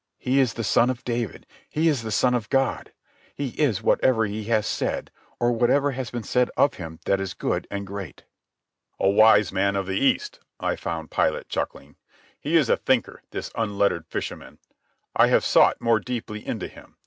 He is the Son of David. He is the Son of God. He is whatever He has said, or whatever has been said of Him that is good and great." "A wise man of the East," I found Pilate chuckling. "He is a thinker, this unlettered fisherman. I have sought more deeply into him.